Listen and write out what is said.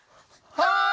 はい！